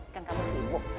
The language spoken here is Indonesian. kan kamu sibuk